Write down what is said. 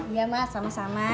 iya mak sama sama